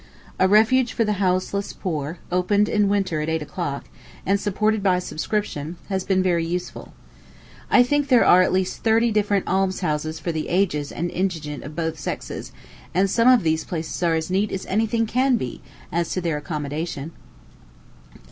A refuge for the houseless poor, opened in winter at eight o'clock, and supported by subscription, has been very useful. I think there are at least thirty different almshouses for the aged and indigent of both sexes; and some of these places are as neat as any thing can be, as to their accommodation.